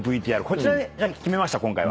こちらに決めました今回は。